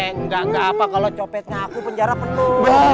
neng nggak apa kalau copetnya aku penjara penuh